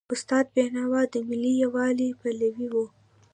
استاد بینوا د ملي یووالي پلوی و.